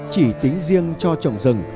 chỉ tính riêng cho trồng rừng